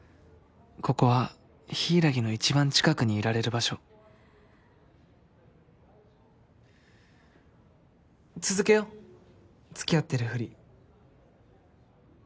ここは柊の一番近くにいられる場所続けよう付き合ってるふり。